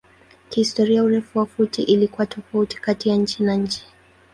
Kihistoria urefu wa futi ilikuwa tofauti kati nchi na nchi.